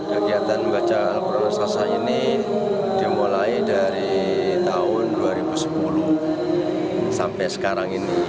kegiatan membaca al quran raksasa ini dimulai dari tahun dua ribu sepuluh sampai sekarang ini